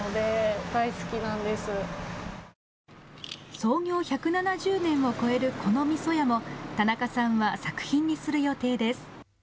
創業１７０年を超えるこのみそ屋も田中さんは作品にする予定です。